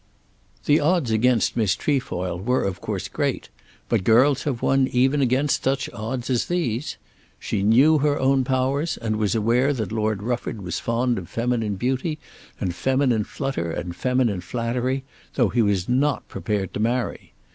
The odds against Miss Trefoil were of course great; but girls have won even against such odds as these. She knew her own powers, and was aware that Lord Rufford was fond of feminine beauty and feminine flutter and feminine flattery, though he was not prepared to marry.